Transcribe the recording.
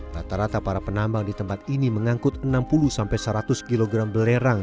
rata rata para penambang di tempat ini mengangkut enam puluh seratus kg belerang